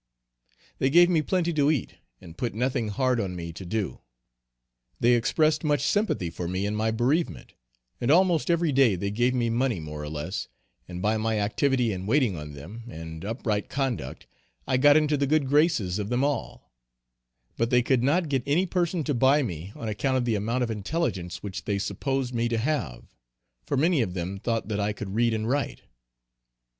They gave me plenty to eat and put nothing hard on me to do. They expressed much sympathy for me in my bereavement; and almost every day they gave me money more or less, and by my activity in waiting on them, and upright conduct, I got into the good graces of them all, but they could not get any person to buy me on account of the amount of intelligence which they supposed me to have; for many of them thought that I could read and write.